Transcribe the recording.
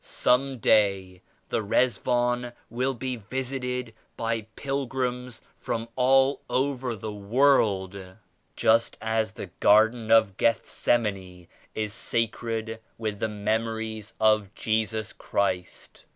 Some day the Rizwan will be visited by pilgrims from all over the world, just as the Garden of Geth semane is sacred with the memories of Jesus Christ.